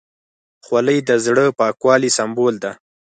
خولۍ د زړه پاکوالي سمبول ده.